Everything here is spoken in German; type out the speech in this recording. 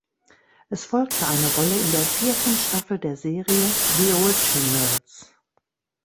Es folgte eine Rolle in der vierten Staffel der Serie "The Originals".